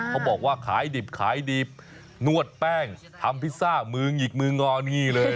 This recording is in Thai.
เขาบอกว่าขายดิบขายดีบนวดแป้งทำพิซซ่ามือหงิกมืองอนงี่เลย